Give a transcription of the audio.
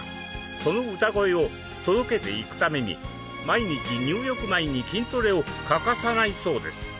その歌声を届けていくために毎日入浴前に筋トレを欠かさないそうです。